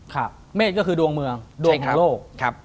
อก๊อบส์เปลี่ยนเมษก็คือดวงเมืองดวงแห่งโลก